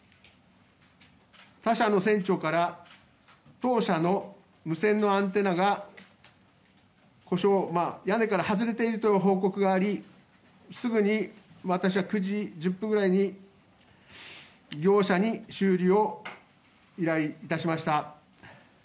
他社の船長から当社の無線のアンテナが故障、屋根から外れていると報告がありすぐに私は９時１０分ぐらいに業者に修理を依頼致しました。